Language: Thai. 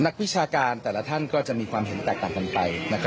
วิชาการแต่ละท่านก็จะมีความเห็นแตกต่างกันไป